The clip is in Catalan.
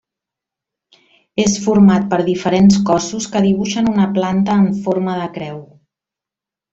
És format per diferents cossos que dibuixen una planta en forma de creu.